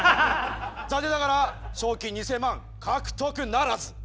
残念ながら賞金２，０００万獲得ならず。